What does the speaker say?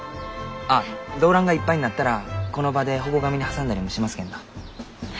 あっ胴乱がいっぱいになったらこの場で反故紙に挟んだりもしますけんど。